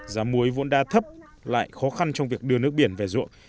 giá muối vốn đa thấp lại khó khăn trong việc đưa nước biển về ruộng